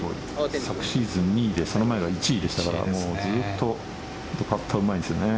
昨シーズン２位でその前は１位でしたからずっとパットはうまいんですよね。